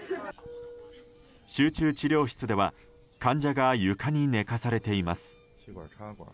集中治療室では患者が床に寝かされています。